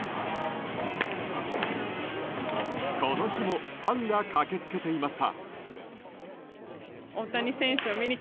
この日もファンが駆けつけていました。